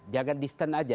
jangan distant saja